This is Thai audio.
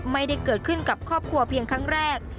ไม่ได้เกิดขึ้นกับครอบครัวเพียงครั้งแรก